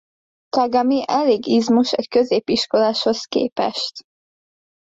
Kagami elég izmos egy középiskoláshoz képest.